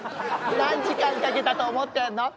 何時間かけたと思ってんの？